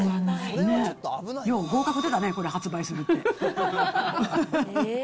よう合格出たね、これ、発売するって。